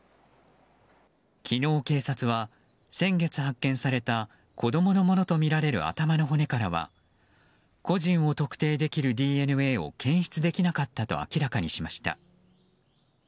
昨日警察は、先月発見された子供のものとみられる頭の骨からは個人を特定できるＤＮＡを検出できなかったと明らかにしました。